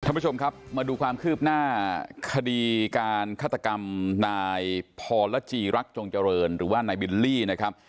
ท่านผู้ชมครับมาดูความคืบหน้าคดีการฆาตกรรมนายพรจีรักจงเจริญหรือว่านายบิลลี่นะครับ